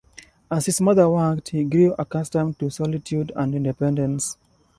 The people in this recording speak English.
As his mother worked, he grew accustomed to solitude and independence.